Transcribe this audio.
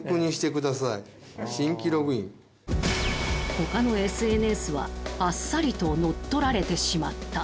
他のＳＮＳはあっさりと乗っ取られてしまった。